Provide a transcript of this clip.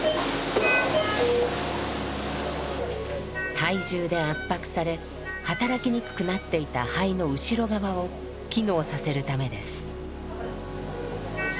体重で圧迫され働きにくくなっていた肺の後ろ側を機能させるためです。